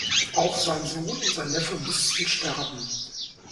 Auch sein Sohn und sein Neffe mussten sterben.